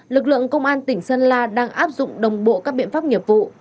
lực lượng công an tỉnh sơn la đang áp dụng đồng bộ các biện pháp nghiệp vụ